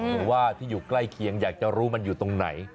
หรือว่าที่อยู่ใกล้เคียงอยากจะรู้มันอยู่ตรงไหน